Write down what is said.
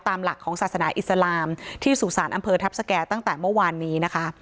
ตามหลักของศาสนาอิสลามที่สุสานอำเภอทัพสแก่ตั้งแต่เมื่อวานนี้นะคะ